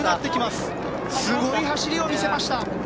すごい走りを見せました。